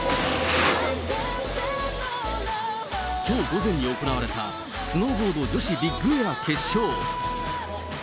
きょう午前に行われたスノーボード女子ビッグエア決勝。